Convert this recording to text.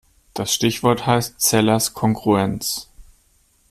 Das Stichwort heißt Zellers Kongruenz.